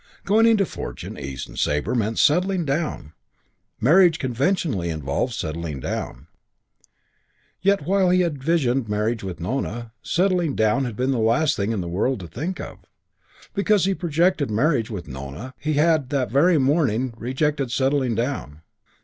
Going into Fortune, East and Sabre meant "settling down"; marriage conventionally involved settling down; yet, while he had visioned marriage with Nona, settling down had been the last thing in the world to think of, because he projected marriage with Nona, he had that very morning rejected settling down.